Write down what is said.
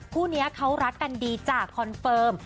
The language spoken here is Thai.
คู่นี้เขารักกันดีจากคอนเฟิร์ม